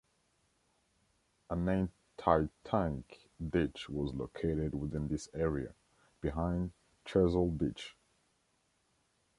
An anti-tank ditch was located within this area, behind Chesil Beach.